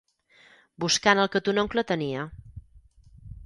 Buscant el que ton oncle tenia.